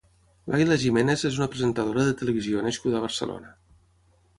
Laila Jiménez és una presentadora de televisió nascuda a Barcelona.